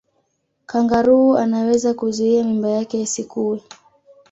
kangaroo anaweza kuzuia mimba yake isikue